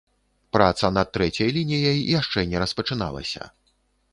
Праца над трэцяй лініяй яшчэ не распачыналася.